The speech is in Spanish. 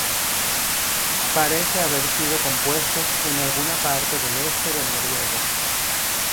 Parece haber sido compuesto en alguna parte del este de Noruega.